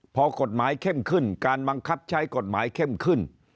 พอกฎหมายเข้มขึ้นการบังคับใช้กฎหมายเข้มขึ้น